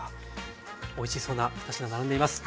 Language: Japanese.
おいしそうな２品並んでいます。